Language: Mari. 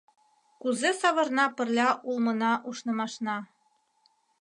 Кузе савырна пырля улмына-ушнымашна?